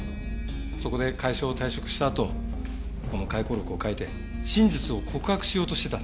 そこで会社を退職したあとこの回顧録を書いて真実を告白しようとしてたんです。